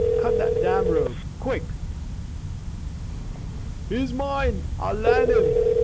Cut that domn rope! Quick!" "He's mine, and I'll land him!"